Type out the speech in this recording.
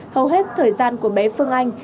hầu hết thời gian của bé phương anh